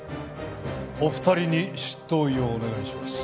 お二人に執刀医をお願いします。